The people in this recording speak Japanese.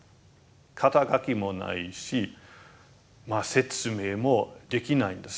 肩書きもないし説明もできないんです。